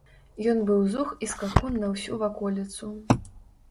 Ён быў зух і скакун на ўсю ваколіцу.